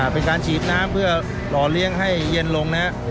เป็นการฉีดน้ำเพื่อหล่อเลี้ยงให้เย็นลงนะครับ